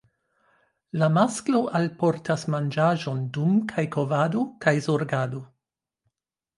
La masklo alportas manĝaĵon dum kaj kovado kaj zorgado.